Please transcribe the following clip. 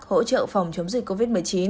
hỗ trợ phòng chống dịch covid một mươi chín